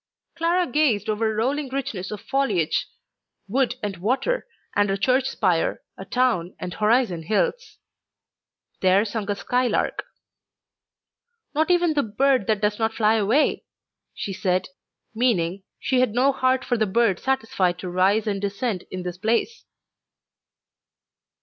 Clara gazed over rolling richness of foliage, wood and water, and a church spire, a town and horizon hills. There sung a sky lark. "Not even the bird that does not fly away!" she said; meaning, she had no heart for the bird satisfied to rise and descend in this place.